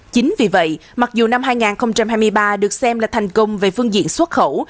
chính vì vậy mặc dù năm hai nghìn hai mươi ba được xem là thành công về phương diện xuất khẩu